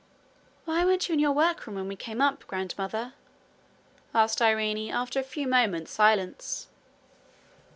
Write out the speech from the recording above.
'Why weren't you in your workroom when we came up, grandmother?' asked Irene, after a few moments' silence.